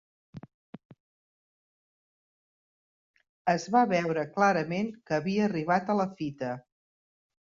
Es va veure clarament que havia arribat a la fita.